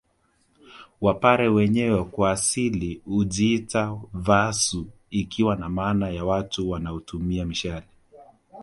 Wapare wenyewe kwa asili hujiita Vaasu ikiwa na maana ya watu wanaotumia mishale